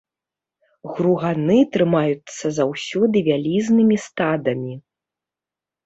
Груганы трымаюцца заўсёды вялізнымі стадамі.